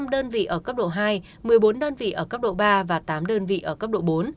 một mươi đơn vị ở cấp độ hai một mươi bốn đơn vị ở cấp độ ba và tám đơn vị ở cấp độ bốn